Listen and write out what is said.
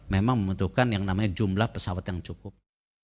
memang membutuhkan yang namanya jumlah pesawat yang cukup